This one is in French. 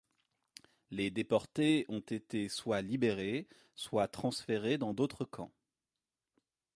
Les déportés ont été soit libérés soit transférés dans d'autres camps.